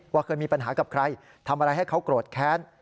เคยมีปัญหากับใครทำอะไรให้เขาโกรธแค้น